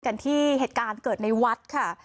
กันที่เหตุการณ์เกิดในวัดค่ะ